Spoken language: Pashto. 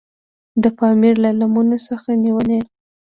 د پامیر له لمنو څخه نیولې.